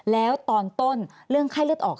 แล้วตอนต้นเรื่องไข้เลือดออก